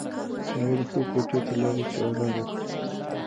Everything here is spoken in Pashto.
هغه د خوب کوټې ته لاړه چې ارام وکړي.